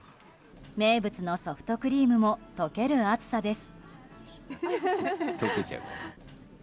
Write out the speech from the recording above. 名物のソフトクリームも溶ける暑さです。